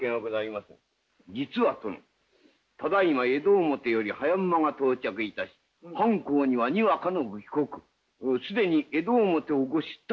実は殿ただいま江戸表より早馬が到着いたし藩公にはにわかのご帰国既に江戸表をご出立とのことにござります。